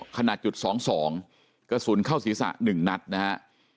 ขนาดจุดสองสองกระสุนเข้าศรีสะหนึ่งนัดนะฮะ